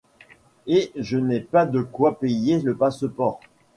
Eh je n’ai pas de quoi payer le passeport !